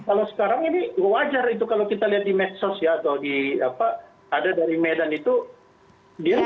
kalau sekarang ini wajar itu kalau kita lihat di medsos ya atau di apa ada dari medan itu dia